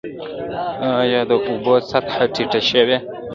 آیا د اوبو سطحه ټیټه شوې؟